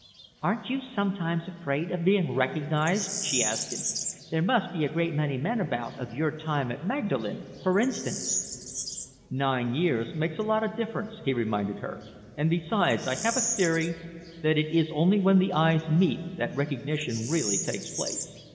"Aren't you sometimes afraid of being recognised?" she asked him. "There must be a great many men about of your time at Magdalen, for instance?" "Nine years makes a lot of difference," he reminded her, "and besides, I have a theory that it is only when the eyes meet that recognition really takes place.